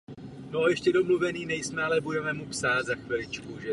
Později dostal jméno Grand hotel Urazil a nakonec Hotel Hubert.